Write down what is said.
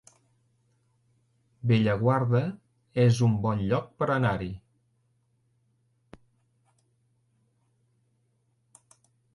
Bellaguarda es un bon lloc per anar-hi